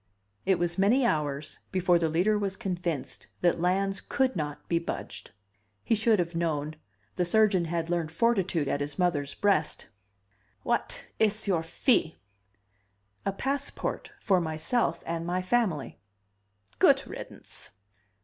It was many hours before the Leader was convinced that Lans could not be budged. He should have known the surgeon had learned fortitude at his mother's breast. "What is your fee?" "A passport for myself and my family." "Good riddance."